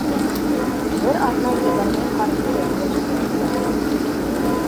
Бер аҙна ебәрмәй ҡартты йәш председатель.